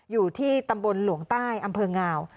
อยู่ที่ตำบลหลวงใต้อำเภองาว